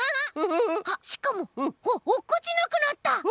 しかもおっこちなくなった！